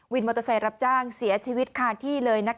มอเตอร์ไซค์รับจ้างเสียชีวิตคาที่เลย